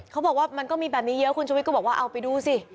เขาบอกว่ามันก็มีแบบนี้เยอะคุณชุวิตก็บอกว่าเอาไปดูสิ